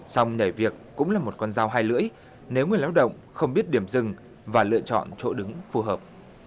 xong nhảy việc cũng là một con dao hai lưỡi nếu người lao động không biết điểm dừng và lựa chọn chỗ đứng phù hợp